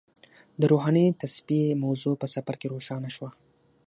د روحاني تصفیې موضوع په سفر کې روښانه شوه.